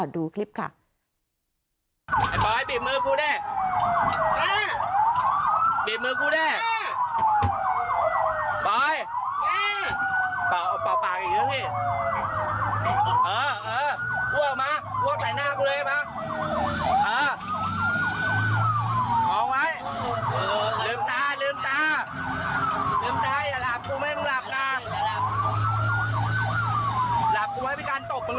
ดูคลิปค่ะ